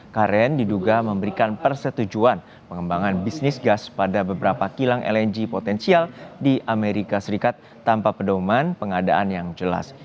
karen diduga memberikan persetujuan pengembangan bisnis gas pada beberapa kilang lng potensial di amerika serikat tanpa pedoman pengadaan yang jelas